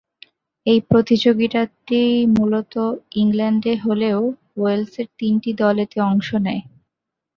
এই প্রতিযোগিতাটি মূলত ইংল্যান্ডে হলেও ওয়েলসের তিনটি দল এতে অংশ নেয়।